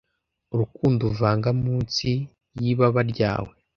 urukundo uvanga munsi yibaba ryawe